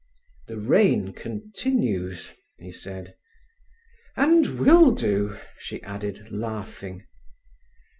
"The rain continues," he said. "And will do," she added, laughing.